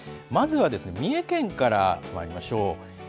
まずは三重県から参りましょう。